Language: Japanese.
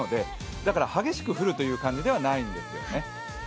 だから激しく降るという感じではないんですよね。